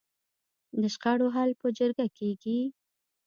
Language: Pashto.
د شخړو حل په جرګه کیږي؟